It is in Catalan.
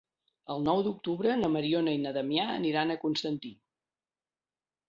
El nou d'octubre na Mariona i na Damià aniran a Constantí.